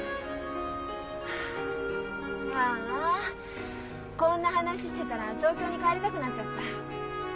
はあああこんな話してたら東京に帰りたくなっちゃった。